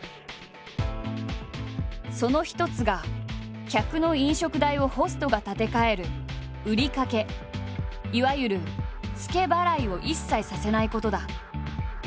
その一つが客の飲食代をホストが立て替える「売り掛け」いわゆる「ツケ払い」を一切させないことだ。